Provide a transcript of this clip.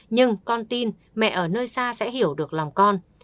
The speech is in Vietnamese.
nhưng con tin mẹ ở nơi xa sẽ hiểu được làm con